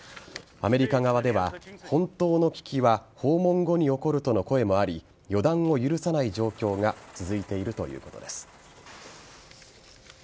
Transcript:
アメリカ側では、本当の危機は訪問後に起こるとの声もあり予断を許さない状況が続いているということです。